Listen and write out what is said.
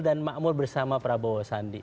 dan makmur bersama prabowo sandi